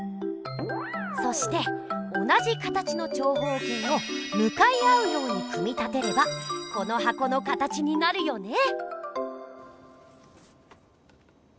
そして同じ形の長方形をむかい合うように組み立てればこのはこの形になるよね！